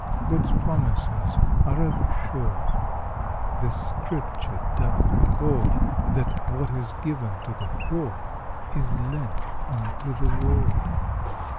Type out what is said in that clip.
God's promises are ever sure, • The scripture. <doth record That what is given to the poor ! Is lent unto the Lord.